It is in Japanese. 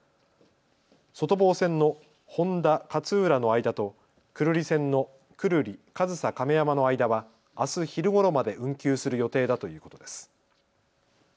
外房線の誉田・勝浦の間と久留里線の久留里・上総亀山の間はあす昼ごろまで運休する予定だということです。